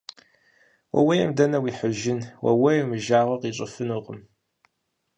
Ууейм дэнэ уихьыжын, ууейм уи жагъуэ къищӀыфынукъым.